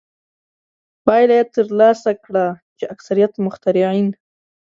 پایله یې ترلاسه کړه چې اکثریت مخترعین.